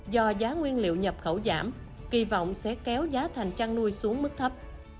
do giá nguyên liệu nhập khẩu giảm kỳ vọng sẽ kéo giá thành chăn nuôi xuống mức thấp